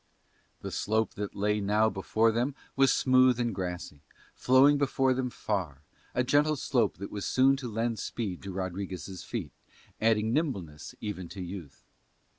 The slope that now lay before them was smooth and grassy, flowing before them far, a gentle slope that was soon to lend speed to Rodriguez' feet, adding nimbleness even to youth.